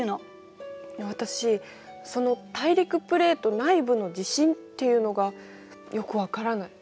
私その大陸プレート内部の地震っていうのがよく分からない。